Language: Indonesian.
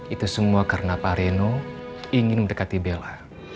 itu semua karena pak reno ingin mendekati bella